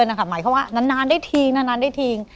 หมายความว่านานได้ทิง